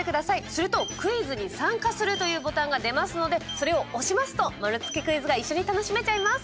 すると「クイズに参加する」というボタンが出ますのでそれを押しますと丸つけクイズが一緒に楽しめちゃいます。